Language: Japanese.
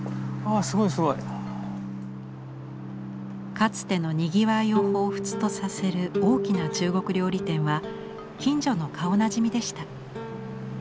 かつてのにぎわいを彷彿とさせる大きな中国料理店は近所の顔なじみでした。